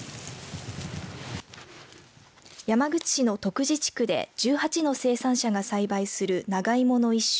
山口市の徳地地区で１８の生産者が栽培する長芋の一種